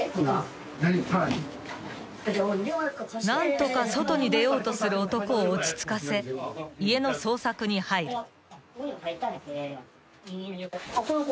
［何とか外に出ようとする男を落ち着かせ家の捜索に入る］